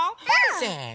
せの！